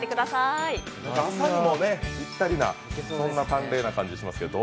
朝にもぴったりな、そんな淡麗な感じがしますけど。